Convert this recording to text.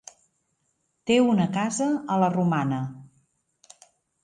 Té una casa a la Romana.